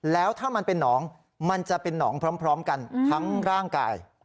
แล้วถ้ามันเป็นหนองมันจะเป็นหนองพร้อมกันทั้งร่างกาย